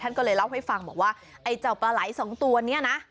ก็เลยเล่าให้ฟังบอกว่าไอ้เจ้าปลาไหลสองตัวนี้นะ